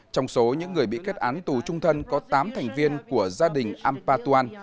trong số những người bị kết án tù trung thân có tám thành viên của gia đình ampatuan